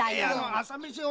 朝飯を。